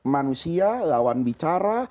manusia lawan bicara